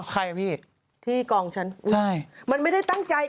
ใครอ่ะพี่ที่กองฉันอุ้ยมันไม่ได้ตั้งใจ